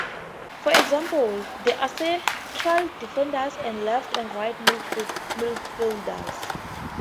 For example, there are central defenders, and left and right midfielders.